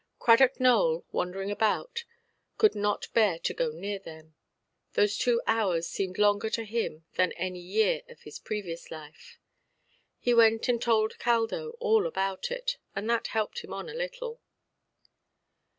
Cradock Nowell, wandering about, could not bear to go near them. Those two hours seemed longer to him than any year of his previous life. He went and told Caldo all about it; and that helped him on a little.